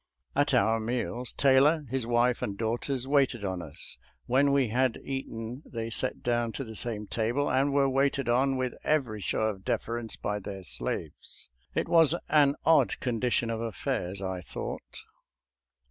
At our meals Taylor, his wife, and daughters, waited on us; when we had eaten they sat down to the same table and were waited on with every show of deference by their slaves. It was an odd condition of affairs, I thought.